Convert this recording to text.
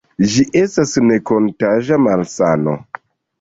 Ĝi estas ne-kontaĝa malsano.